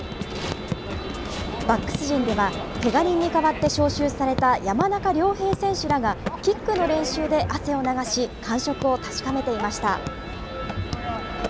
バックス陣ではけが人に代わって招集された山中亮平選手らがキックの練習で汗を流し、感触を確かめていました。